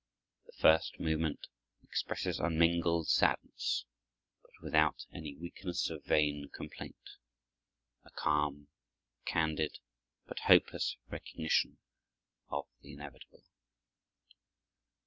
The first movement expresses unmingled sadness, but without any weakness of vain complaint; a calm, candid, but hopeless recognition of the inevitable.